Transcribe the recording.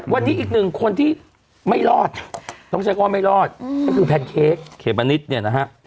วันนี้อีกหนึ่งคนที่ไม่รอดน้องชัยก็ไม่รอดนี่คือแพนเค้กเขบนิดเนี่ยนะฮะ